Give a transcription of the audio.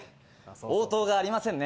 応答がありませんね